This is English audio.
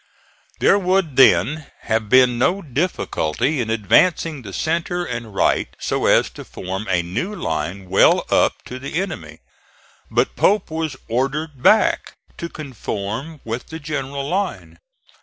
There would then have been no difficulty in advancing the centre and right so as to form a new line well up to the enemy, but Pope was ordered back to conform with the general line.